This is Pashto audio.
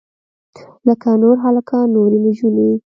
لکه نور هلکان نورې نجونې.